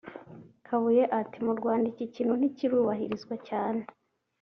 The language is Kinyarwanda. Kabuye ati “Mu Rwanda iki kintu ntikirubahirizwa cyane